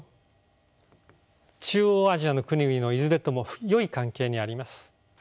中央アジアの国々のいずれともよい関係にあります。